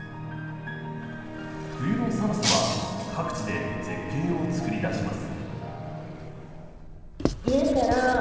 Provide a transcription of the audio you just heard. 冬の寒さは各地で絶景を作り出します。